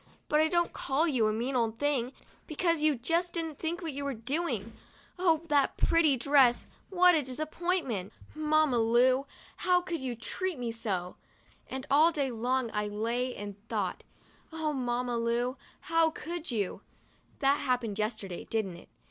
But I don't call you a mean old thing, because you just didn't think what you were doing. Oh, that pretty dress! What a disappointment! 21 THE DIARY OF A BIRTHDAY DOLL Mamma Lu, how could you treat me so ?" and all day long I lay and thought, "Oh, Mamma Lu! how could v* you/ That happened yesterday, didn't it?